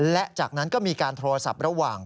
และจากนั้นก็มีการโทรศัพท์ระหว่าง